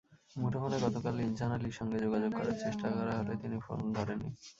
মুঠোফোনে গতকাল ইনছান আলীর সঙ্গে যোগাযোগের চেষ্টা করা হলে তিনি ফোন ধরেননি।